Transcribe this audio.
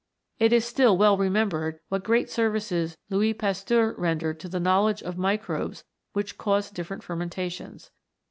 It is still well remembered what great services Louis Pasteur rendered to the knowledge of microbes which cause different fermentations.